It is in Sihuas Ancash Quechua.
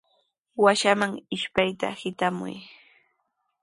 Washaman ishpayta hitramuy.